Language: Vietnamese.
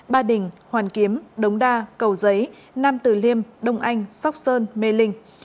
ba đình hoàn kiếm đống đa cầu giấy nam tử liêm đông anh sóc sơn mê linh